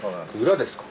裏ですか？